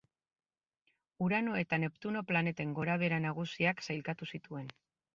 Urano eta Neptuno planeten gorabehera nagusiak sailkatu zituen.